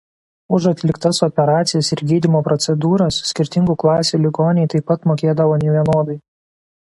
Už atliktas operacijas ir gydymo procedūras skirtingų klasių ligoniai taip pat mokėdavo nevienodai.